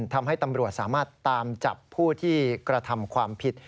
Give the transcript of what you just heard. ทำให้ตำรวจสามารถตามจับผู้ที่กระทำความผิด